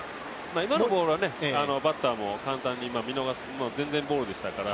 今のボールはバッターも簡単に全然ボールでしたから。